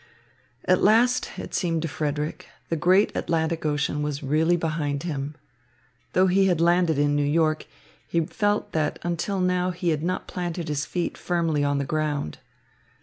At last, it seemed to Frederick, the great Atlantic Ocean was really behind him. Though he had landed in New York, he felt that until now he had not planted his feet firmly on the ground.